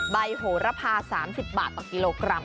โหระพา๓๐บาทต่อกิโลกรัม